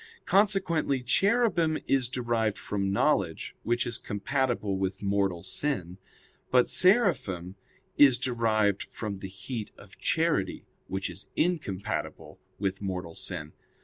Consequently Cherubim is derived from knowledge; which is compatible with mortal sin; but Seraphim is derived from the heat of charity, which is incompatible with mortal sin.